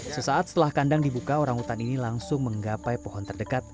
sesaat setelah kandang dibuka orang hutan ini langsung menggapai pohon terdekat